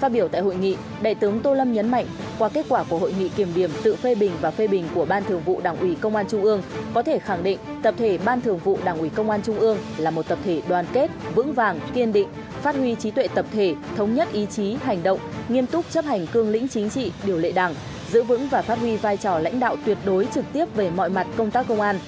bản thường vụ đảng ủy công an trung ương là một tập thể đoàn kết vững vàng kiên định phát huy trí tuệ tập thể thống nhất ý chí hành động nghiên túc chấp hành cương lĩnh chính trị điều lệ đảng giữ vững và phát huy vai trò lãnh đạo tuyệt đối trực tiếp về mọi mặt công tác công an